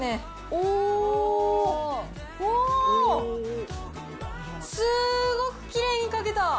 おーっ、すーごくきれいに書けた。